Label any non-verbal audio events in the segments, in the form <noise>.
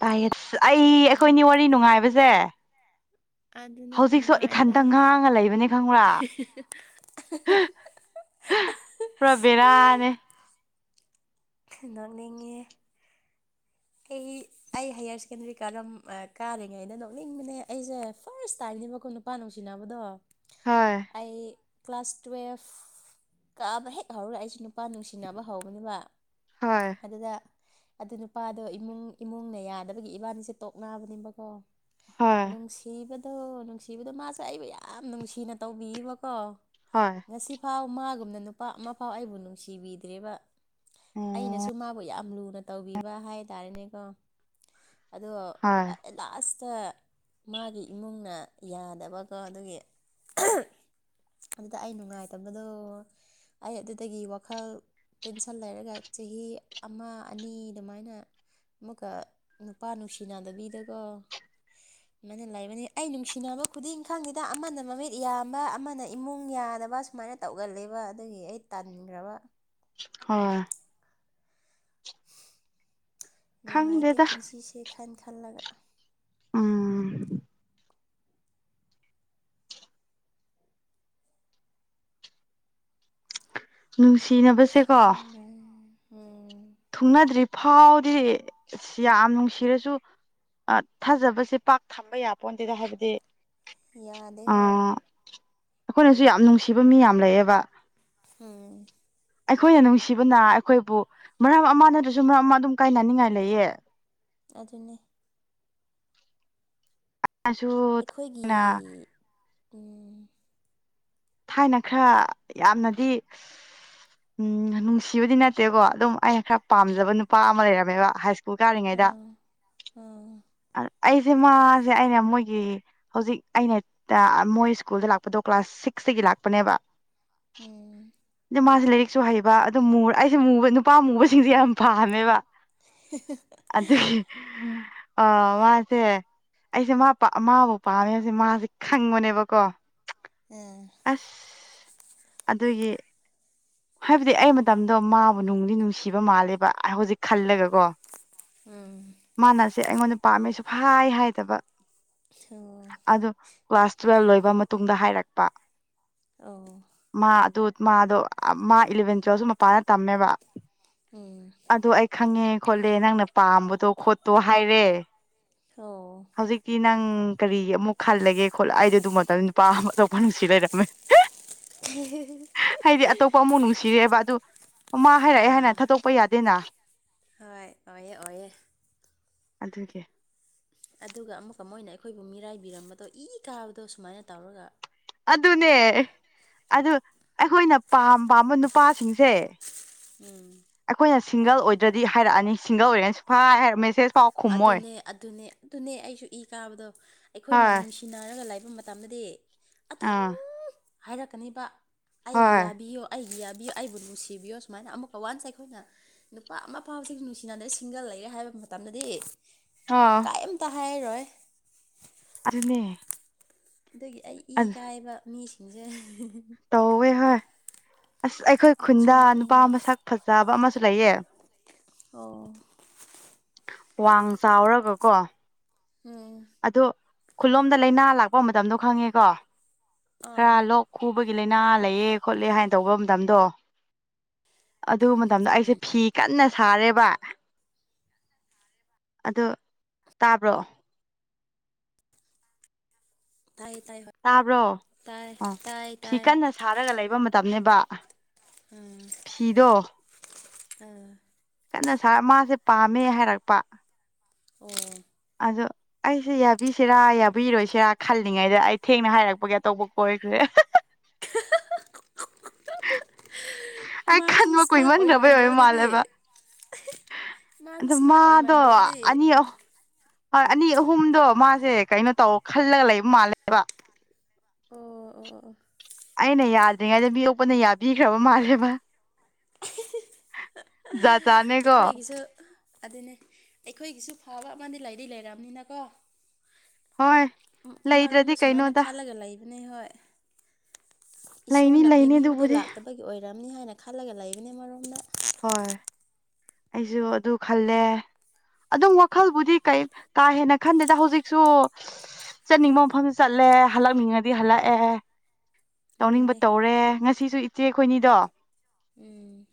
ꯇꯥꯏꯌ‌ꯦ ꯑꯁ ꯑꯩ ꯑ ꯑꯩꯈꯣꯏꯅꯤ ꯋꯥꯔꯤ ꯅꯨꯡꯉꯥꯏꯕꯁꯦ ꯑꯗꯨꯅꯦ ꯍꯧꯖꯤꯛꯁꯨ ꯏꯊꯟꯇ ꯅꯨꯡꯉꯥꯏꯕꯗ ꯉꯥꯡꯉ ꯂꯩꯕꯅ‌ꯦ ꯈꯪꯕ꯭ꯔꯥ ꯄꯨꯔꯥ ꯕꯦꯔꯥꯅꯦ ꯅꯣꯛꯅꯤꯡꯉꯤꯍꯦ ꯑꯩ ꯑꯩ ꯍꯥꯏꯌ꯭ꯔ ꯁꯦꯀꯦꯟꯗꯔꯤ ꯀꯥꯔꯝ ꯑꯥ ꯀꯥꯔꯤꯉꯩꯩꯗ ꯅꯣꯛꯅꯤꯡꯕꯅꯦ ꯑꯩꯁꯦ ꯐꯔꯁ ꯇꯥꯏꯝꯅꯦꯕꯀꯣ ꯅꯨ ꯄꯥ ꯅꯨꯡꯁꯤꯅꯕꯗꯣ ꯍꯣꯏ ꯑꯩ ꯀ꯭ꯂꯥꯁ ꯇꯨꯌꯦꯐ ꯀꯥꯕ ꯍꯦꯛ ꯍꯧꯔꯒ ꯑꯩꯁꯦ ꯅꯨꯄꯥ ꯅꯨꯡꯁꯤꯅꯕ ꯍꯧꯕꯅꯦꯕ ꯍꯣꯏ ꯑꯗꯨꯗ ꯑꯗꯨ ꯅꯨꯄꯥꯗꯣ ꯏꯃꯨꯡ ꯏꯃꯨꯡꯅ ꯌꯥꯗꯕꯒꯤ ꯏꯕꯥꯟꯅꯤꯁꯦ ꯇꯣꯛꯅꯕꯅꯦꯕꯀꯣ ꯍꯣꯏ ꯅꯨꯡꯁꯤꯕꯗꯣ ꯅꯨꯡꯁꯤꯕꯗꯣ ꯃꯥꯁꯨ ꯑꯩꯕꯨ ꯌꯥꯝ ꯅꯨꯡꯁꯤꯅ ꯇꯧꯕꯤꯌꯦꯕꯀꯣ ꯍꯣꯏ ꯉꯁꯤꯐꯥꯎ ꯃꯥꯒꯨꯝꯅ ꯅꯨꯄꯥ ꯑꯃꯐꯥꯎ ꯑꯩꯕꯨ ꯅꯨꯡꯁꯤꯕꯤꯗ꯭ꯔꯦꯕ ꯑꯣ ꯑꯩꯅꯁꯨ ꯃꯥꯕꯨ ꯌꯥꯝ ꯂꯨꯅ ꯇꯧꯕꯤꯕ ꯍꯥꯏ ꯇꯥꯔꯦꯅꯦꯀꯣ ꯑꯗꯣ ꯍꯣꯏ ꯂꯥꯁꯇ ꯃꯥꯒꯤ ꯏꯃꯨꯡꯅ ꯌꯥꯗꯕꯀꯣ ꯑꯗꯨꯒꯤ ꯑꯗꯨꯗ ꯑꯩ ꯅꯨꯡꯉꯥꯏꯇꯕꯗꯣ ꯑꯩ ꯑꯗꯨꯗꯒꯤ ꯋꯥꯈꯜ ꯇꯦꯟꯁꯟ ꯂꯩꯔꯒ ꯆꯍꯤ ꯑꯃ ꯑꯅꯤ ꯑꯗꯨꯃꯥꯏꯅ ꯑꯃꯨꯛꯀ ꯅꯨꯄꯥ ꯅꯨꯡꯁꯤꯅꯗꯕꯤꯗ ꯀꯣ <inaudible> ꯁꯨꯃꯥꯏꯅ ꯂꯩꯕꯅꯤ ꯑꯩ ꯅꯨꯡꯁꯤꯅꯕ ꯈꯨꯗꯤꯡ ꯈꯪꯗꯦꯗ ꯑꯃꯅ ꯃꯃꯤꯠ ꯌꯥꯝꯕ ꯑꯃꯅ ꯏꯃꯨꯡ ꯌꯥꯗꯕ ꯁꯨꯃꯥꯏꯅ ꯇꯧꯒꯜꯂꯦꯕ ꯑꯗꯨꯒꯤ ꯑꯩ ꯇꯟꯒ꯭ꯔꯕ ꯍꯣꯏ ꯅꯨꯡꯉꯥꯏꯇꯦ ꯈꯪꯗꯦꯗ ꯄꯨꯟꯁꯤꯁꯦ ꯈꯟ ꯈꯜꯂꯒ ꯎꯝ ꯅꯨꯡꯁꯤꯅꯕꯁꯦ <unintelligible> ꯎꯝ ꯊꯨꯡꯅꯗ꯭ꯔꯤ ꯐꯥꯎꯗꯤ ꯑꯁ ꯌꯥꯝ ꯅꯨꯡꯁꯤꯔꯁꯨ ꯑꯥ ꯊꯥꯖꯕꯁꯦ ꯄꯥꯛ ꯊꯝꯕ ꯌꯥꯄꯣꯟꯇꯦꯗ ꯍꯥꯏꯕꯗꯤ ꯌꯥꯗꯦ ꯍꯣꯏ ꯑꯥ ꯑꯈꯣꯏꯅꯁꯨ ꯌꯥꯝ ꯅꯨꯡꯁꯤꯕ ꯃꯤ ꯌꯥꯝ ꯂꯩꯌꯦꯕ ꯎꯝ ꯑꯩꯈꯣꯏꯅ ꯅꯨꯡꯁꯤꯕꯅ ꯑꯈꯣꯏꯕꯨ ꯃꯔꯝ ꯑꯃ ꯅꯠꯇ꯭ꯔꯁꯨ ꯃꯔꯝ ꯑꯃ ꯑꯗꯨꯝ ꯀꯥꯏꯅꯅꯤꯡꯉꯥꯏ ꯂꯩꯌꯦ ꯑꯗꯨꯅꯦ ꯑꯩꯁꯨ ꯑꯩꯈꯣꯏꯒꯤ ꯊꯥꯏꯅ ꯎꯝ ꯊꯥꯏꯅ ꯈꯔ ꯌꯥꯝꯅꯗꯤ ꯎꯝ ꯅꯨꯡꯁꯤꯕꯗꯤ ꯅꯠꯇꯦꯀꯣ ꯑꯗꯨꯝ ꯑꯩꯅ ꯈꯔ ꯄꯥꯝꯖꯕ ꯅꯨꯄꯥ ꯑꯃ ꯂꯩꯔꯝꯃꯦꯕ ꯍꯥꯏꯁ ꯀꯥꯔꯤꯉꯩꯗ ꯑꯥ ꯑꯥ ꯑꯩꯖꯦ ꯃꯥꯖꯦ ꯑꯩꯅ ꯃꯣꯏꯒꯤ ꯍꯧꯖꯤꯛ ꯑꯩꯅ ꯇ ꯃꯣꯏ ꯁ꯭ꯀꯨꯜꯗ ꯂꯥꯛꯄꯗꯣ ꯀ꯭ꯂꯥꯁ ꯁꯤꯛꯁꯇꯒꯤ ꯂꯥꯛꯄꯅꯦꯕ ꯎꯝ ꯃꯥꯖꯦ ꯂꯥꯏꯔꯤꯛꯁꯨ ꯍꯩꯕ ꯑꯗꯨ ꯑꯩꯖꯦ ꯃꯨꯕ ꯅꯨꯄꯥ ꯃꯨꯕꯁꯤꯡꯁꯦ ꯌꯥꯝ ꯄꯥꯝꯃꯦꯕ <unintelligible> ꯑꯥ ꯃꯁꯦ ꯑꯩꯁꯦ ꯃꯥ ꯃꯥꯕꯨ ꯄꯥꯝꯃꯦ ꯍꯥꯏꯕꯁꯦ ꯃꯥꯁꯦ ꯈꯪꯕꯅꯦꯕꯀꯣ ꯑꯥ ꯑꯁ ꯑꯗꯨꯒꯤ ꯍꯥꯏꯕꯗꯤ ꯑꯩ ꯃꯇꯝꯗꯣ ꯃꯥꯕꯨ ꯅꯨꯡꯗꯤ ꯅꯨꯡꯁꯤꯕ ꯃꯥꯜꯂꯦꯕ ꯍꯧꯖꯤꯛ ꯈꯜꯂꯒꯀꯣ <inaudible> ꯎꯝ ꯃꯥꯥꯟꯅꯁꯦ ꯑꯩꯉꯣꯟꯗ ꯄꯥꯝꯃꯦꯁꯨꯞ ꯍꯥꯏ ꯍꯥꯏꯗꯕ ꯁꯣ ꯑꯗꯨ ꯀ꯭ꯂꯥꯁ ꯇꯨꯋꯦꯜꯕ ꯂꯣꯏꯕ ꯃꯇꯨꯡꯗ ꯍꯥꯏꯔꯛꯄ ꯑꯧ ꯃꯥ ꯑꯗꯨ ꯃꯥꯗꯣ ꯃꯥ ꯏꯂꯚꯦꯟ ꯇꯨꯋꯦꯜꯁꯨ ꯃꯄꯥꯟꯗ ꯇꯝꯃꯦꯕ ꯎꯝ ꯑꯗꯣ ꯑꯩ ꯈꯪꯉꯦ ꯈꯣꯠꯂꯦ ꯅꯪꯅ ꯄꯥꯝꯕꯗꯣ ꯈꯣꯠꯇꯣ ꯍꯥꯏꯔꯦ ꯍꫭ ꯍꯧꯖꯤꯛꯇꯤ ꯅꯪ ꯀꯔꯤ ꯑꯃꯨꯛ ꯈꯜꯂꯒꯦ ꯈꯣꯠꯂ ꯑꯩꯗꯤ ꯑꯗꯨ ꯃꯇꯝ ꯅꯨꯄꯥ ꯑꯃ ꯑꯇꯣꯞꯄ ꯅꯨꯡꯁꯤ ꯂꯩꯔꯩ <unintelligible> ꯍꯥꯏꯗꯤ ꯑꯇꯣꯞꯄ ꯑꯃꯥꯎ ꯅꯨꯡꯁꯤꯔꯦꯕ ꯑꯗꯨ ꯑꯃꯥ ꯍꯥꯏꯔꯛꯑꯦ ꯑꯥ ꯍꯥꯏꯅ ꯊꯥꯗꯣꯛꯄ ꯌꯥꯗꯦꯅ ꯍꯣꯏ ꯑꯣꯏꯑꯦ ꯑꯣꯏꯌꯦ ꯑꯗꯨꯒꯤ ꯑꯗꯨꯒ ꯑꯃꯨꯛꯀ ꯃꫭꯏꯅ ꯑꯩꯈꯣꯏꯕꯨ ꯃꯤꯔꯥꯏꯕꯤꯔꯝꯕꯗꯣ ꯏ ꯀꯥꯕꯗꯣ ꯁꯨꯃꯥꯏꯅ ꯇꯧꯔꯒ ꯑꯗꯨꯅꯦ ꯑꯗꯨ ꯑꯩꯈꯣꯏꯅ ꯄꯥꯝ ꯄꯥꯝꯕ ꯅꯨꯄꯥꯁꯤꯡꯁꯦ ꯎꯝ ꯑꯈꯣꯏꯅ ꯁꯤꯡꯒꯜ ꯑꯣꯏꯗ꯭ꯔꯗꯤ ꯍꯥꯏꯔꯛꯑꯅꯤ ꯁꯤꯡꯒꯜ ꯑꯣꯏꯔꯦꯅ ꯁꯨꯛꯍꯥꯏ ꯍꯥꯏꯔ ꯃꯦꯁꯦꯁ ꯑꯗꯨꯅꯦ ꯑꯗꯨꯅꯦ ꯑꯗꯨꯅꯦ ꯑꯩꯁꯨ ꯏ ꯀꯥꯕꯗꯣ ꯑꯩꯈꯣꯏꯅ ꯍꯣꯏ ꯅꯨꯁꯤ ꯏꯟꯅꯥꯔꯒ ꯂꯩꯕ ꯃꯇꯝꯗꯗꯤ ꯑꯗꯨꯝ ꯑꯥ ꯍꯥꯏꯔꯛꯀꯅꯤꯕ ꯑꯩꯒꯤ ꯍꯣꯏ ꯌꯥꯕꯤꯌꯣ ꯑꯩꯒꯤ ꯌꯥꯕꯤꯌꫭ ꯑꯩꯕꯨ ꯅꯨꯡꯁꯤꯕꯤꯌꯣ ꯁꯨꯃꯥꯏꯅ ꯑꯃꯨꯛꯀ ꯋꯥꯟꯁ ꯑꯩꯈꯣꯏꯅ ꯅꯨꯄꯥ ꯑꯃꯐꯥꯎꯁꯤ ꯅꯨꯡꯁꯤꯅꯗꯦ ꯁꯤꯡꯒꯜ ꯂꯩꯔꯦ ꯍꯥꯏꯕ ꯃꯇꯝꯗꯗꯤ ꯑ ꯀꯩꯝꯇ ꯍꯥꯏꯔꯣꯏ ꯑꯗꯨꯅꯦ ꯑꯗꯒꯤ ꯑꯩ ꯏ ꯀꯥꯏꯕ ꯃꯤꯁꯤꯡꯁꯦ <unintelligible> ꯇꯧꯋꯦ ꯍꯥꯏ ꯑꯁ ꯑꯩꯈꯣꯏ ꯅꯣꯛꯁꯨ ꯈꯨꯟꯗ ꯅꯨꯄꯥ ꯅꯣꯛꯅꯤꯡꯕ ꯃꯁꯛ ꯐꯖꯕ ꯑꯃꯁꯨ ꯂꯩꯌꯦ ꯑꯣ ꯋꯥꯡ ꯆꯥꯎꯔꯒ ꯀꯣ ꯎꯝ ꯑꯗꫭ ꯈꯨꯜꯂꯣꯝꯗ ꯂꯥꯏꯅꯥ ꯂꯥꯛꯄ ꯃꯇꯝꯗꯣ ꯈꯪꯉꯦꯀꯣ ꯈꯔ ꯑꯥ ꯂꯣꯛ ꯈꯨꯕꯒꯤ ꯂꯥꯏꯅꯥ ꯂꯩꯌꯦ ꯈꯣꯠꯂꯦ ꯍꯥꯏꯅ ꯇꯧꯕ ꯃꯇꯝꯗꯣ ꯑꯗꯨ ꯃꯇꯝꯗ ꯑꯩꯁꯦ ꯎꯝ ꯐꯤ ꯀꯟꯅ ꯁꯥꯔꯦꯕ ꯑꯗꯨ ꯇꯥꯕ꯭ꯔꯣ ꯇꯥꯏꯌꯦ ꯇꯥꯏꯌꯦ ꯍ ꯇꯥꯕ꯭ꯔꯣ ꯑ ꯐꯤ ꯇꯥꯏ ꯀꯟꯅ ꯁꯥꯔꯒ ꯂꯩꯕ ꯃꯇꯝꯅꯦꯕ ꯎꯝ ꯐꯤꯗꯣ <unintelligible> ꯑꯥ ꯀꯟꯅ ꯁꯥꯔ ꯃꯥꯁꯦ ꯄꯥꯝꯃꯦ ꯍꯥꯏꯔꯛꯄ ꯑꯣ ꯑꯗꯣ ꯑꯩꯁꯦ ꯌꯥꯕꯤꯁꯤꯔꯥ ꯌꯥ ꯕꯤꯔꯣꯏꯁꯤꯔꯥ ꯈꯜꯂꯤꯉꯩꯗ ꯑꯩ ꯊꯦꯡꯅ ꯍꯥꯏꯔꯛꯄꯒꯤ ꯑꯇꯣꯞꯄ ꯀꯣꯏꯈ꯭ꯔꯦ <unintelligible> <unintelligible> ꯑꯩ ꯃꯥꯁꯨ ꯈꯟꯕ ꯏꯁꯃꯥꯔꯠ ꯀꯨꯏꯃꯟꯈ꯭ꯔꯕꯩ ꯃꯥꯟꯗ꯭ꯔꯣ ꯑꯣꯏ ꯃꯥꯜꯂꯦꯕ ꯑꯗꯨꯗꯤ ꯃꯥꯗꯣ ꯑꯗꯨ ꯏꯁꯃꯥꯔꯠ ꯃꯥꯗꯣ ꯑꯣꯏꯃꯟꯗ꯭ꯔꯗꯗꯤ ꯑꯅꯤ ꯑꯍꯨ ꯍꯣꯏ ꯑꯅꯤ ꯑꯍꯨꯝꯗꯣ ꯃꯥꯁꯦ ꯀꯩꯅꯣ ꯇꯧ ꯈꯜꯂꯒ ꯂꯩꯕ ꯃꯥꯜꯂꯦꯕ ꯑꯣ ꯑꯣ ꯑꯣ ꯑꯣ ꯑꯩꯅ ꯌꯥꯗ꯭ꯔꯤꯉꯩꯗ ꯃꯤꯗꫭꯛꯄꯅ ꯌꯥꯕꯤꯈ꯭ꯔꯥꯕ ꯃꯥꯜꯂꯦꯕ ꯖꯥꯠ ꯖꯥꯠꯅꯦꯀꯣ <unintelligible> ꯑꯗꯨꯅꯦ ꯑꯩꯈꯣꯏꯒꯤꯁꯨ ꯐꯕ ꯑꯃꯗꯤ ꯂꯩꯗꯤ ꯂꯩꯔꯝꯅꯤꯅꯀꯣ ꯍꯣꯏ ꯎꯝ ꯂꯩꯇ꯭ꯔꯗꯤ ꯑꯃꯔꯣꯝꯗ ꯁꯨꯃꯥꯏꯅ ꯀꯩꯅꯣꯗ ꯈꯜꯂꯒ ꯂꯩꯕꯅꯦ ꯍꯣꯏ ꯂꯩꯅꯤ ꯏꯁꯣꯔꯅ ꯂꯩꯅꯤ ꯄꯤꯕꯤꯕꯗꯣ ꯑꯗꯨꯕꯨꯗꯤ ꯂꯥꯛꯇꯕꯒꯤ ꯑꯣꯏꯔꯝꯅꯤ ꯍꯥꯏꯅ ꯈꯜꯂꯒ ꯂꯩꯕꯅꯦ ꯑꯃꯔꯣꯝꯗ ꯍꯣꯏ ꯑꯩꯖꯨ ꯑꯗꯨ ꯈꯜꯂꯦ ꯑꯗꯨꯝ ꯋꯥꯈꯜꯕꯨꯗꯤ ꯀꯩ ꯀꯥꯍꯦꯟꯅ ꯈꯟꯗꯦꯗ ꯍꯧꯖꯤꯛꯁꯨ ꯆꯠꯅꯤꯡꯕ ꯃꯐꯝꯗ ꯆꯠꯂꯦ ꯍꯜꯂꯛꯅꯤꯡꯉꯗꯤ ꯍꯜꯂꯛꯑꯦ ꯇꯧꯅꯤꯡꯕ ꯑꯗꯨꯅꯦ ꯇꯧꯔꯦ ꯉꯁꯤꯁꯨ ꯏꯆꯦ ꯑꯈꯣꯏꯅꯤꯗꯣ ꯎꯝ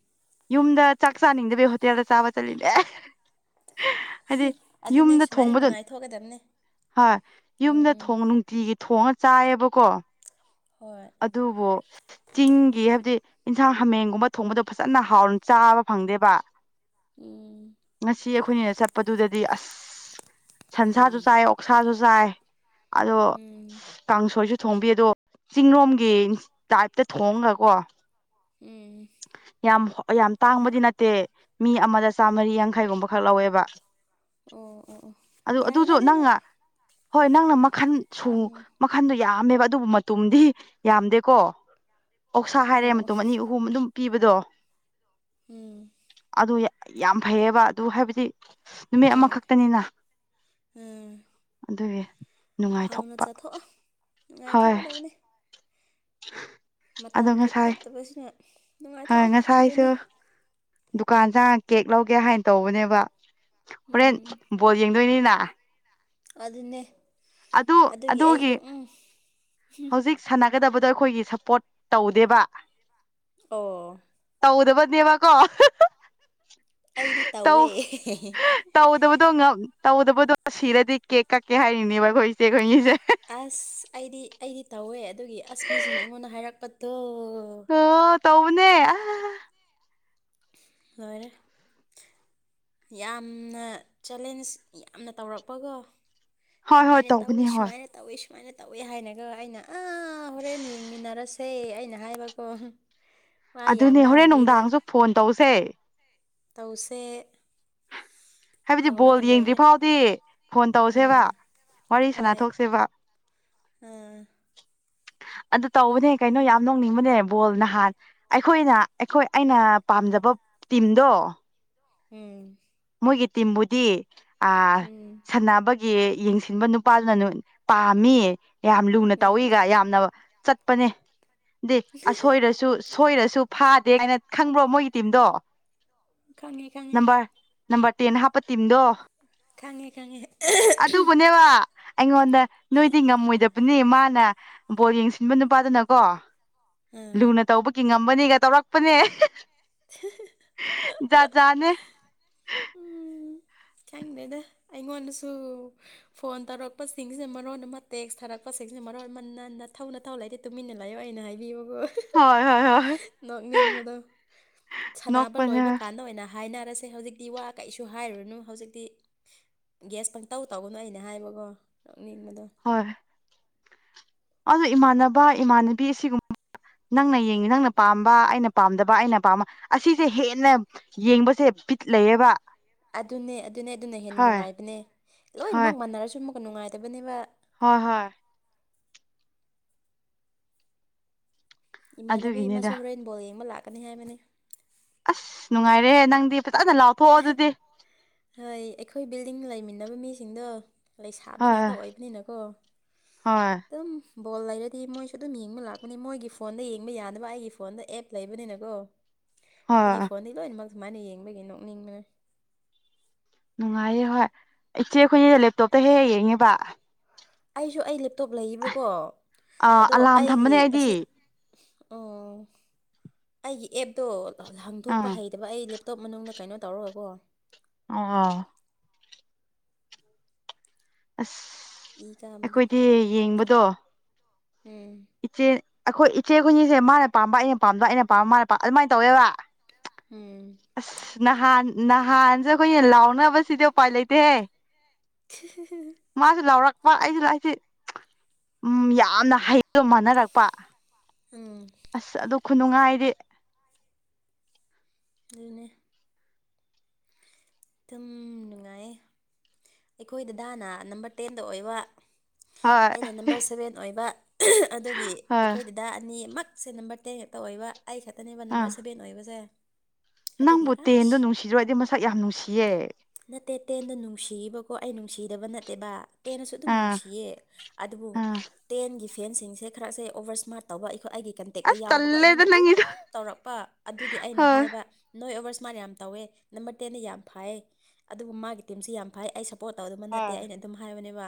ꯌꯨꯝꯗ ꯆꯥꯛ ꯆꯥꯅꯤꯡꯗꯕꯩ ꯍꯣꯇꯦꯜꯗ ꯆꯥꯕ ꯆꯠꯂꯤꯅꯦ ꯍꯥꯏꯗꯤ ꯑꯗꯨꯅꯦ ꯌꯨꯝꯗ ꯁꯨꯃꯥꯏꯅ ꯊꯣꯡꯕꯗꯣ ꯅꯨꯡꯉꯥꯏꯊꯣꯛꯀꯗꯕꯅꯦ ꯍꯣꯏ ꯌꯨꯝꯗ ꯎꯝ ꯊꯣꯡ ꯅꯨꯡ ꯇꯤꯒꯤ ꯊꯣꯡꯉ ꯆꯥꯏꯌꯦꯕꯀꯣ ꯍꯣꯏ ꯑꯗꯨꯕꯨ ꯆꯤꯡꯒꯤ ꯍꯥꯏꯕꯗꯤ ꯏꯟꯁꯥꯡ ꯍꯥꯃꯦꯡꯒꯨꯝꯕ ꯊꯣꯡꯕꯗꯣ ꯐꯖꯅ ꯍꯥꯎꯅ ꯆꯥꯕ ꯐꯪꯗꯦꯕ ꯎꯝ ꯉꯁꯤ ꯑꯈꯣꯏꯅꯤꯅ ꯆꯠꯄꯗꯨꯗꯗꯤ ꯑꯁ ꯁꯟꯁꯥꯁꯨ ꯎꯝ ꯆꯥꯏ ꯑꯣꯛ ꯁꯥꯖꯨ ꯆꯥꯏ ꯑꯗꯣ ꯎꯝ ꯀꯥꯡꯁꯣꯏꯁꯨ ꯊꯣꯡꯕꯤ ꯑꯗꯣ ꯆꯤꯡꯔꯣꯝꯒꯤ ꯇꯥꯏꯞꯇ ꯊꯣꯡꯔꯒ ꯀꯣ ꯎꯝ ꯌꯥꯝ ꯍꯣ ꯌꯥꯝ ꯇꯥꯡꯕꯗꯤ ꯅꯠꯇꯦ ꯃꯤ ꯑꯃꯗ ꯆꯥꯃꯔꯤ ꯌꯥꯡꯈꯩꯒꯨꯝꯕ ꯈꯛ ꯂꯧꯋꯦꯕ ꯑꯣ ꯑꯣ ꯑꯣ ꯑꯗꯨ ꯌꯥꯏꯗ ꯑꯗꯨꯖꯨ ꯑꯗꯨꯕꯨ ꯅꯪꯅ ꯍꯣꯏ ꯅꯪꯅ ꯃꯈꯜ ꯁꯨ ꯎꯝ ꯈꯟꯗꯣ ꯌꯥꯝꯃꯦꯕ ꯑꯗꯨꯕꯨ ꯃꯇꯨꯝꯗꯤ ꯌꯥꯝꯗꯦꯀꯣ ꯑꯣꯛꯁꯥ ꯍꯥꯏꯔꯦ ꯑꯣ ꯃꯇꯨꯝ ꯑꯅꯤ ꯑꯍꯨꯝ ꯑꯗꯨꯝ ꯄꯤꯕꯗꯣ ꯎꯝ ꯑꯗꯨ ꯌꯥ ꯌꯥꯝ ꯐꯩꯌꯦꯕ ꯑꯗꯨ ꯍꯥꯏꯕꯗꯤ ꯅꯨꯃꯤꯠ ꯍꯣꯏ ꯑꯃꯈꯛ ꯇꯅꯤꯅ ꯎꯝ ꯑꯗꯨꯒꯤ ꯍꯥꯎꯅ ꯅꯨꯡꯉꯥꯏꯊꯣꯛꯄ ꯆꯥꯊꯣꯛꯑꯣ ꯍꯣꯏ ꯅꯨꯡꯉꯥꯏꯊꯣꯛꯀꯗꯕꯅꯤ <inaudible> ꯑꯗꯣ ꯃꯇꯝ ꯈꯨ ꯉꯁꯥꯏ ꯐꯠꯇꯕꯁꯤꯅ ꯍꯣꯏ ꯅꯨꯡꯉꯥꯏꯊꯣꯛꯑꯣ ꯑꯗꯨꯅꯤ ꯉꯁꯥꯏꯁꯨ ꯗꯨꯀꯥꯟ ꯆꯥꯡꯉ ꯀꯦꯛ ꯂꯧꯒꯦ ꯍꯥꯏꯅ ꯇꯧꯕꯅꯦꯕ ꯍꯣꯔꯦꯟ ꯎꯝ ꯕꯣꯜ ꯌꯦꯡꯗꯣꯏꯅꯤꯅ ꯑꯗꯨꯅꯦ ꯑꯗꯨꯒꯤ ꯑꯩꯁꯨ ꯎꯝ ꯍꯧꯖꯤꯛ ꯁꯥꯟꯅꯒꯗꯕꯗꯣ ꯑꯩꯈꯣꯏꯒꯤ ꯁꯞꯄꯣꯔꯠ ꯇꯧꯗꯦꯕ ꯑꯣ ꯇꯧꯗꯕꯅꯦꯕꯀꯣ ꯑꯩꯗꯤ ꯇꯧꯋꯦ ꯇꯧ ꯇꯧꯗꯕꯗꯣ ꯉꯝ ꯇꯧꯗꯕꯗꯣ ꯁꯤꯔꯗꯤ ꯀꯦꯛ ꯀꯛꯀꯦ ꯍꯥꯏꯔꯤꯅꯦꯕ ꯑꯩꯈꯣꯏ ꯏꯆꯦ ꯈꯣꯏꯅꯤꯁꯦ ꯑꯁ ꯑꯩꯗꯤ ꯑꯩꯗꯤ ꯇꯧꯋꯦ ꯑꯗꯨꯒꯤ ꯑꯁ ꯃꯤꯁꯤꯡꯅ ꯑꯩꯉꯣꯟꯗ ꯍꯥꯏꯔꯛꯄꯗꯣ ꯑꯣ ꯇꯧꯕꯅꯦ ꯑ ꯂꯣꯏꯔꯦ ꯌꯥꯝꯅ ꯆꯦꯂꯦꯟꯖ ꯌꯥꯝꯅ ꯇꯧꯔꯛꯄꯒꯣ ꯍꯣꯏ ꯍꯣꯏ ꯁꯨꯃꯥꯏꯅ ꯇꯧꯏ ꯇꯧꯕꯅꯦ ꯍꯣꯏ ꯁꯨꯃꯥꯏꯅ ꯇꯧꯏ ꯁꯨꯃꯥꯏꯅ ꯇꯧꯏ ꯍꯥꯏꯅꯀꯣ ꯑꯩꯅ ꯑꯥ ꯍꯣꯔꯦꯟ ꯌꯦꯡꯃꯤꯟꯅꯔꯁꯦ ꯑꯩꯅ ꯍꯥꯏꯕꯀꯣ ꯋꯥ ꯌꯥꯝ ꯑꯗꯨꯅꯦ ꯍꯣꯔꯦꯟ ꯉꯥꯡꯗꯕꯤꯗ ꯅꯨꯡꯗꯥꯡꯁꯨ ꯐꯣꯟ ꯇꯧꯁꯦ ꯇꯧꯁꯦ ꯍꯥꯏꯕꯗꯤ ꯇꯧꯔꯒ ꯕꯣꯜ ꯌꯦꯡꯗ꯭ꯔꯤ ꯂꯣꯏꯔꯦ ꯐꯥꯎꯗꯤ ꯐꯣꯟ ꯇꯧꯁꯦꯕ ꯎꯝ ꯋꯥꯔꯤ ꯁꯥꯟꯅ ꯍꯣꯏ ꯊꯣꯛꯁꯦꯕ ꯑꯥ ꯑꯗꯨ ꯇꯧꯕꯅꯦ ꯀꯩꯅꯣ ꯑꯗꯨꯅꯦ ꯌꯥꯝ ꯅꯣꯡꯅꯤꯡꯕꯅꯦꯕ ꯕꯣꯜ ꯅꯍꯥꯟ ꯑꯩꯈꯣꯏꯅ ꯑꯩꯈꯣꯏ ꯑꯩꯅ ꯄꯥꯝꯖꯕ ꯇꯤꯝꯗꯣ ꯎꯝ ꯃꯣꯏꯒꯤ ꯇꯤꯝꯕꯨꯗꯤ ꯑꯥ ꯎꯝ ꯁꯥꯟꯅꯕ ꯒꯤ ꯌꯦꯡꯁꯤꯟꯕ ꯅꯨꯄꯥꯗꯨꯅ ꯄꯥꯝꯃꯤ ꯌꯥꯝ ꯂꯨꯅ ꯎꯝ ꯇꯧꯏꯒ ꯌꯥꯝꯅ ꯆꯠꯄꯅꯦ ꯗꯤ ꯑꯁꯣꯏꯔꯁꯨ ꯁꯣꯏꯔꯁꯨ ꯐꯥꯗꯦ ꯀꯥꯏꯅ ꯈꯪꯕ꯭ꯔꯣ ꯃꯣꯏꯒꯤ ꯇꯤꯝꯗꯣ ꯈꯪꯉꯦ ꯈꯪꯉꯦ ꯅꯝꯕꯔ ꯅꯝꯕꯔ ꯇꯦꯟ ꯍꯥꯞꯄ ꯇꯤꯝꯗꯣ ꯈꯪꯉꯦ ꯈꯪꯉꯦ ꯑꯥ ꯑꯗꯨꯕꯨꯅꯦꯕ ꯑꯩꯉꯣꯟꯗ ꯅꯣꯏꯗꯤ ꯉꯝꯃꯣꯏꯗꯕꯅꯤ ꯃꯥꯅ ꯕꯣꯜ ꯌꯦꯡꯁꯤꯟꯕ ꯅꯨꯄꯥꯗꯨꯅꯀꯣ ꯎꯝ ꯂꯨꯅ ꯇꯧꯕꯒꯤ ꯉꯝꯕꯅꯤꯒ ꯇꯧꯔꯛꯄꯅꯦ <inaudible> ꯖꯥꯠ ꯖꯥꯠꯅꯦ ꯈꯪꯗꯦꯗ ꯑꯩꯉꯣꯟꯗꯁꯨ ꯐꯣꯟ ꯇꯧꯔꯛꯄꯁꯤꯡꯁꯤꯅ ꯃꯔꯣꯟ ꯑꯃ ꯇꯦꯛꯁ ꯊꯥꯔꯛꯄꯁꯤꯡꯁꯤꯅ ꯃꯔꯣꯟ ꯑꯃ ꯅꯥ ꯅꯊꯧ ꯅꯊꯧ ꯂꯩꯇꯦ ꯇꯨꯃꯤꯟꯅ ꯂꯩꯌꯣ ꯑꯩꯅ ꯍꯥꯏꯕꯤꯕꯀꯣ ꯍꯣꯏ ꯍꯣꯏ ꯍꯣꯏ ꯅꯣꯛꯅꯤꯡꯕꯗꯣ ꯁꯥꯟꯅꯕ ꯅꯣꯛꯄꯅꯦ ꯂꯣꯏꯕ ꯀꯥꯟꯗ ꯑꯣꯏꯅ ꯍꯥꯏꯅꯔꯁꯦ ꯍꯧꯖꯤꯛꯇꯤ ꯋꯥ ꯀꯩꯁꯨ ꯍꯥꯏꯔꯨꯅꯨ ꯍꯧꯖꯤꯛꯇꯤ ꯒ꯭ꯌꯥꯁ ꯄꯪꯇꯧ ꯇꯧꯒꯅꯨ ꯑꯩꯅ ꯍꯥꯏꯕꯀꯣ ꯅꯣꯛꯅꯤꯡꯕꯗꯣ ꯍꯣꯏ ꯑꯗꯣ ꯏꯃꯥꯟꯅꯕ ꯏꯃꯥꯟꯅꯕꯤ ꯑꯁꯤꯒꯨꯝ ꯅꯪꯅ ꯌꯦꯡꯉꯤ ꯅꯪꯅ ꯄꯥꯝꯕ ꯑꯩꯅ ꯄꯥꯝꯗꯕ ꯑꯩꯅ ꯄꯥꯝꯕ ꯑꯁꯤꯁꯦ ꯍꯦꯟꯅ ꯌꯦꯡꯕꯁꯦ ꯄꯤꯠ ꯂꯩꯌꯦꯕ ꯑꯗꯨꯅꯦ ꯑꯗꯨꯅꯦ ꯑꯗꯨꯅ ꯍꯦꯟꯅ ꯍꯣꯏ ꯅꯨꯡꯉꯥꯏꯕꯅꯦ ꯍꯣꯏ ꯂꯣꯏꯅꯃꯛ ꯃꯥꯟꯅꯔꯁꯨ ꯑꯃꯨꯛꯀ ꯅꯨꯡꯉꯥꯏꯇꯕꯅꯦꯕ ꯍꯣꯏ ꯍꯣꯏ ꯏꯃꯥꯟꯅꯕꯤ ꯑꯃꯁꯨ ꯑꯗꯨꯒꯤꯅꯤꯗ ꯍꯣꯔꯦꯟ ꯕꯣꯜ ꯌꯦꯡꯕ ꯂꯥꯛꯀꯅꯤ ꯍꯥꯏꯕꯅꯤ ꯑꯁ ꯅꯨꯡꯉꯥꯏꯔꯦꯍꯦ ꯅꯪꯗꯤ ꯐꯖꯅ ꯂꯥꯎꯊꯣꯛꯑꯣ ꯑꯗꯨꯗꯤ ꯍꯣꯏ ꯑꯩꯈꯣꯏ ꯕꯤꯜꯗꯤꯡ ꯂꯩꯃꯤꯟꯅꯕ ꯃꯤꯁꯤꯡꯗꯣ ꯂꯩꯁꯥꯕꯤ ꯉꯥꯛꯇ ꯍꯣꯏ ꯑꯣꯏꯕꯅꯤꯅꯀꯣ ꯍꯣꯏ ꯑꯗꯨꯝ ꯕꯣꯜ ꯂꯩꯔꯗꯤ ꯃꯣꯏꯁꯨ ꯑꯗꯨꯝ ꯌꯦꯡꯕ ꯂꯥꯛꯄꯅꯤ ꯃꯣꯏꯒꯤ ꯐꯣꯟꯗ ꯌꯦꯡꯕ ꯌꯥꯗꯕ ꯑꯩꯒꯤ ꯐꯣꯟꯗ ꯑꯦꯞ ꯂꯩꯕꯅꯤꯅꯀꯣ ꯑꯩꯒꯤ ꯍꯣꯏ ꯐꯣꯟꯗꯩ ꯂꯣꯏꯅꯃꯛ ꯁꯨꯃꯥꯏꯅ ꯌꯦꯡꯕꯒꯤ ꯅꯣꯛꯅꯤꯡꯕ ꯅꯨꯡꯉꯥꯏꯌꯦ ꯍꯣꯏ ꯏꯆꯦ ꯑꯩꯈꯣꯏꯅ ꯂꯦꯞꯇꯣꯞꯇ ꯍꯦꯛ ꯍꯦꯛ ꯌꯦꯡꯉꯦꯕ ꯑꯩꯁꯨ ꯑꯩ ꯂꯦꯞꯇꯣꯞ ꯂꯩꯌꯦꯕꯀꯣ ꯑꯥ ꯑꯗꯣ ꯑꯂꯥꯔꯝ ꯑꯩꯒꯤ ꯊꯝꯕꯅꯦ ꯑꯩꯗꯤ ꯑꯁꯤ ꯑꯣ ꯑꯩꯒꯤ ꯑꯦꯞꯇꯣ ꯍꯥꯡꯗꯣꯛꯄ ꯑꯥ ꯍꯩꯇꯕ ꯑꯩ ꯑꯇꯣꯞ ꯃꯅꯨꯡꯗ ꯀꯩꯅꯣ ꯇꯧꯔꯒꯥꯀꯣ ꯑꯣ ꯑꯁ ꯏ ꯀꯥꯝꯕꯗꯣ ꯑꯩꯈꯣꯏꯗꯤ ꯌꯦꯡꯕꯗꯣ ꯎꯝ ꯏꯆꯦ ꯑꯩꯈꯣꯏ ꯏꯆꯦ ꯑꯩꯈꯣꯏꯅꯤꯁꯦ ꯃꯥꯅ ꯄꯥꯝꯕ ꯑꯩꯅ ꯄꯥꯝꯕ ꯑꯩꯅ ꯄꯥꯝꯕ ꯃꯥꯅꯥ ꯄꯥꯝ ꯑꯗꯨꯃꯥꯏꯅ ꯇꯧꯋꯦꯕ ꯎꯝ ꯑꯁ ꯅꯍꯥꯟ ꯅꯍꯥꯟꯁꯦ ꯑꯩꯈꯣꯏꯅ ꯂꯥꯎꯅꯕꯁꯤꯗꯤ ꯎꯄꯥꯏ ꯂꯩꯇꯦꯍꯦ <inaudible> ꯃꯥꯁꯨ ꯂꯥꯎꯔꯛꯄ ꯑꯩꯁꯨ ꯂꯥꯛꯁꯦ ꯎꯝ ꯌꯥꯝꯅ ꯍꯩꯕ ꯃꯥꯟꯅꯔꯛꯄ ꯎꯝ ꯑꯁ ꯑꯗꯨ ꯈꯨꯅꯨꯡꯉꯥꯏꯗꯤ ꯑꯗꯨꯅꯦ ꯑꯗꯨꯝ ꯅꯨꯡꯉꯥꯏꯌꯦ ꯑꯩꯈꯣꯏ ꯗꯗꯥꯅ ꯅꯝꯕꯔ ꯇꯦꯟꯗ ꯑꯣꯏꯕ ꯍꯣꯏ ꯑꯩꯅ ꯅꯝꯕꯔ ꯁꯚꯦꯟ ꯑꯣꯏꯕ ꯑꯗꯨꯒꯤ ꯍꯣꯏ ꯑꯩꯈꯣꯏꯗ ꯗ ꯑꯅꯤꯃꯛꯁꯦ ꯅꯝꯕꯔ ꯇꯦꯟ ꯈꯛꯇ ꯑꯣꯏꯕ ꯑꯩ ꯈꯛꯇꯅꯦꯕ ꯑꯥ ꯅꯝꯕꯔ ꯁꯕꯦꯟ ꯑꯣꯏꯕꯁꯦ ꯑꯗꯨꯒꯤ ꯅꯪꯕꯨ ꯇꯦꯟꯗꯣ ꯑꯁ ꯅꯨꯡꯁꯤꯗ꯭ꯔꯣ ꯑꯩꯗꯤ ꯃꯁꯛ ꯌꯥꯝ ꯅꯨꯡꯁꯤꯌꯦ ꯅꯠꯇꯦ ꯇꯦꯟꯗꯣ ꯅꯨꯡꯁꯤꯌꯤꯕꯀꯣ ꯑꯩ ꯅꯨꯡꯁꯤꯗꯕ ꯅꯠꯇꯦꯕ ꯇꯦꯟꯅꯁꯨ ꯑꯗꯨꯝ ꯑꯥ ꯅꯨꯡꯁꯤꯌꯦ ꯑꯗꯨꯕꯨ ꯑꯥ ꯇꯦꯟꯒꯤ ꯐꯦꯟꯁꯤꯡꯁꯦ ꯈꯔꯁꯦ ꯑꯣꯕꯔ ꯁ꯭ꯃꯥꯔꯠ ꯇꯧꯕ ꯑꯩꯈꯣꯏ ꯑꯩꯒꯤ ꯀ ꯍꯦꯛꯇ ꯑꯁ ꯌꯥꯎꯕꯀꯣ ꯇꯜꯂꯦꯗ ꯑꯩꯉꯣꯟꯗ ꯑꯗꯨꯝ ꯅꯪꯒꯤꯗꯣ ꯇꯧꯔꯛꯄ ꯑꯗꯨꯒꯤ ꯑꯩꯅ ꯍꯣꯏ ꯍꯥꯏꯕ ꯅꯣꯏ ꯑꯣꯕꯔ ꯁꯃꯔꯠ꯭ ꯃꯥꯅ ꯌꯥꯝ ꯇꯧꯋꯦ ꯅꯝꯕꯔ ꯇꯦꯟꯗ ꯌꯥꯝ ꯐꯥꯏꯌꯦ ꯑꯗꯨꯕꯨ ꯃꯥꯒꯤ ꯇꯤꯝꯁꯨ ꯌꯥꯝ ꯐꯥꯏ ꯑꯩ ꯁ ꯄꯣꯠ <unintelligible> ꯑ ꯑꯩꯅ ꯑꯗꯨꯝ ꯍꯥꯏꯕꯅꯦꯕ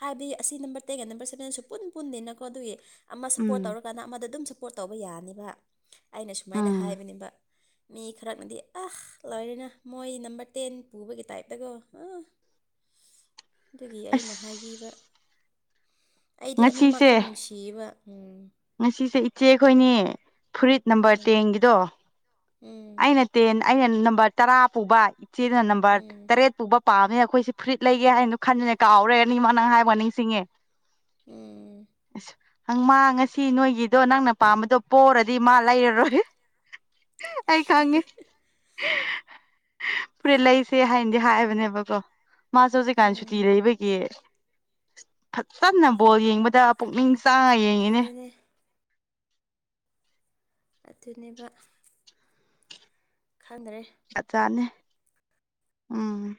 ꯍꯥꯏꯕꯗꯤ ꯑꯁꯤ ꯅꯝꯕꯔ ꯇꯦꯛꯀꯦ ꯅꯝꯕꯔ ꯁꯕꯦꯟꯁꯨ ꯄꯨꯟ ꯄꯨꯟꯗꯦꯅꯀꯣ ꯑꯗꯨꯒꯤ ꯑꯃ ꯁꯞꯄꯣꯔꯠ ꯎꯝ ꯇꯧꯔꯀꯥꯟꯗ ꯑꯃꯗ ꯑꯗꯨꯝ ꯁꯞꯄꯣꯔꯠ ꯇꯧꯕ ꯌꯥꯅꯤꯕ ꯑꯩꯅ ꯁꯨꯃꯥꯏꯅ ꯎꯝ ꯍꯥꯏꯕꯅꯦꯕ ꯃꯤ ꯈꯔ ꯉꯗꯤ ꯑꯍ ꯂꯣꯏꯔꯅ ꯃꯣꯏ ꯅꯝꯕꯔ ꯇꯦꯟ ꯄꯨꯕꯒꯤ ꯇꯥꯏꯞꯇꯒꯣ ꯑꯥ ꯑꯗꯨꯒꯤ ꯑꯩꯅ ꯍꯥꯏꯕꯤꯕ ꯑꯁ ꯑꯩꯗꯤ ꯉꯁꯤꯁꯦ ꯑꯅꯤꯃꯛꯇꯣ ꯅꯨꯡꯁꯤꯌꯤꯕ ꯎꯝ ꯉꯁꯤꯁꯦ ꯏꯆꯦꯈꯣꯏꯅꯤ ꯐꯨꯔꯤꯠ ꯅꯝꯕꯔ ꯎꯝ ꯇꯦꯟꯒꯤꯗꯣ ꯎꯝ ꯑꯩꯅ ꯇꯦꯟ ꯑꯩꯅ ꯅꯝꯕꯔ ꯇꯔꯥ ꯄꯨꯕ ꯏꯆꯦꯗꯅ ꯅꯝꯕꯔ ꯎꯝ ꯇꯔꯦꯠ ꯄꯨꯕ ꯄꯥꯝꯃꯦ ꯑꯩꯈꯣꯏꯁꯦ ꯐꯨꯔꯤꯠ ꯂꯩꯒꯦ ꯍꯥꯏꯅꯗꯣ ꯈꯟꯗꯨꯅꯦ ꯀꯥꯎꯔꯦ ꯅꯤꯃ ꯅꯪ ꯍꯥꯏ ꯋꯥ ꯅꯤꯡꯁꯤꯡꯉꯦ ꯎꯝ ꯍꯪ ꯃꯥ ꯁꯤ ꯅꯣꯏꯒꯤꯗꯣ ꯅꯪꯅ ꯄꯥꯝꯕꯗꯣ ꯄꯣꯔꯗꯤ ꯃꯥ ꯂꯩꯔꯔꯣꯏ ꯑꯩ ꯈꯪꯒꯦ ꯐꯨꯔꯤꯠ ꯂꯩ ꯁꯦ ꯍꯥꯏꯌꯦꯅꯗꯤ ꯍꯥꯏꯕꯅꯦꯕꯀꯣ ꯃꯥꯁꯦ ꯍꯧꯖꯤꯛꯀꯥꯟ ꯁꯨꯇꯤ ꯎꯝ ꯂꯩꯕꯒꯤ ꯀꯟꯅ ꯕꯣꯜ ꯌꯦꯡꯕꯗ ꯄꯨꯛꯅꯤꯡ ꯆꯪꯉ ꯌꯦꯡꯉꯤꯅꯦ ꯑꯗꯨꯅꯦ ꯑꯗꯨꯅꯦꯕ ꯈꯪꯗꯔꯦ ꯐ ꯆꯥꯅꯦ ꯎꯝ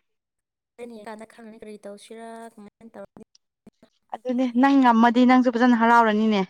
ꯍꯨꯔꯦꯟ ꯌꯦꯡꯀꯥꯟꯗ ꯈꯪꯉꯅꯤ ꯀꯔꯤ ꯇꯧꯁꯤꯔꯥ ꯀꯃꯥꯏꯅ ꯇꯧ ꯑꯗꯨꯅꯦ ꯅꯪ ꯉꯝꯃꯗꯤ ꯅꯪꯁꯨ ꯐꯖꯅ ꯍꯔꯥꯎꯔꯅꯤꯅꯦ